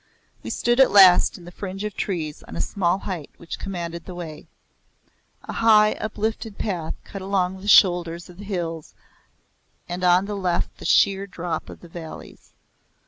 We stood at last in the fringe of trees on a small height which commanded the way; a high uplifted path cut along the shoulders of the hills and on the left the sheer drop of the valleys.